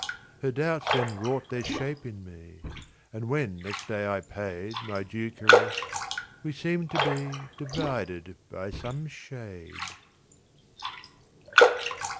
Her doubts then wrought their shape in me, And when next day I paid My due caress, we seemed to be Divided by some shade.